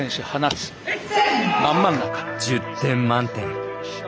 １０点満点。